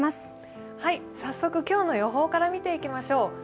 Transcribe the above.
早速今日の予報から見ていきましょう。